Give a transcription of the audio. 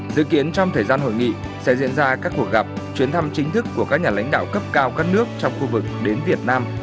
dự kiến trong thời gian hội nghị sẽ diễn ra các cuộc gặp chuyến thăm chính thức của các nhà lãnh đạo cấp cao các nước trong khu vực đến việt nam